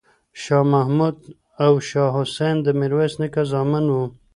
شاه محمود او شاه حسین د میرویس نیکه زامن وو.